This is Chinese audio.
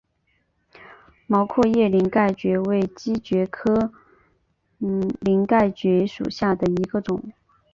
毛阔叶鳞盖蕨为姬蕨科鳞盖蕨属下的一个种。